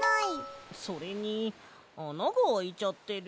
それにあながあいちゃってる。